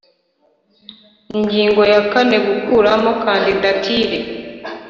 Ingingo ya kane Gukuramo kandidatire